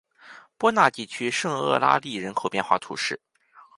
波讷地区圣厄拉利人口变化图示